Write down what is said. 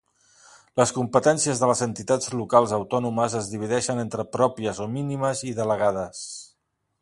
Les competències de les entitats locals autònomes es divideixen entre pròpies o mínimes i delegades.